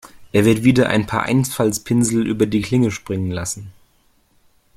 Er wird wieder ein paar Einfaltspinsel über die Klinge springen lassen.